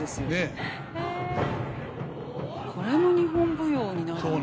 これも日本舞踊になるんだ。